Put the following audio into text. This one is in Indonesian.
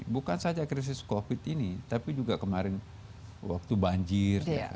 bukan saja krisis covid ini tapi juga kemarin waktu banjir